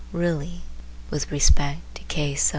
"really")with respect to K.